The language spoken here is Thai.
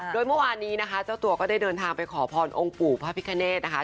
โดยเมื่อวานนี้นะคะเจ้าตัวก็ได้เดินทางไปขอพรองค์ปู่พระพิคเนธนะคะ